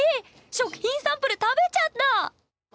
食品サンプル食べちゃった！